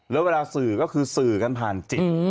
แล้วเวลาสื่อก็คือสื่อกันผ่านจิต